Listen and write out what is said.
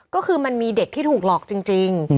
ก็คือมันมีเด็กที่ถูกหลอกจริง